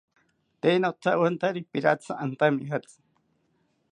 Tee notawantari piratzi antamijatzi